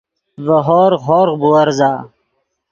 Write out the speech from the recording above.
ڤے ہورغ، ہورغ بُورزا